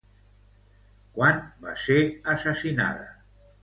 Quan va ser assassinada?